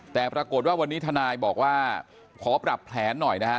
แต่ปรากฏว่าวันนี้ทนายบอกว่าขอปรับแผนหน่อยนะฮะ